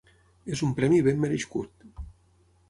És un premi ben merescut.